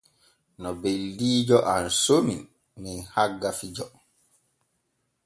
No beldiijo am somi men hagga fijo.